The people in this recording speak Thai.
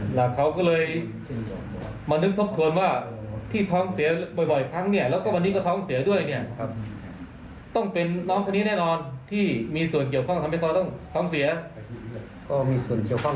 เหตุการณ์ที่ผ่านมาหรือว่ามีหลายคน